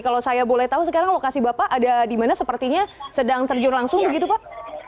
kalau saya boleh tahu sekarang lokasi bapak ada di mana sepertinya sedang terjun langsung begitu pak